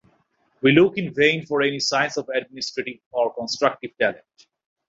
We look in vain for any signs of administrative or constructive talent.